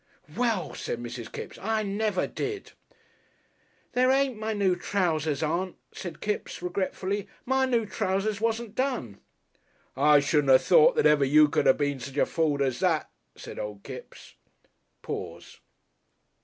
"Well," said Mrs. Kipps, "I never did." "These ain't my noo trousers, Aunt," said Kipps regretfully. "My noo trousers wasn't done." "I shouldn't ha' thought that even you could ha' been such a fool as that," said Old Kipps. Pause.